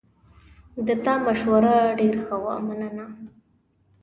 د تا مشوره ډېره ښه وه، مننه